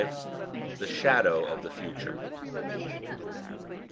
V. THE SHADOW OF THE FUTURE.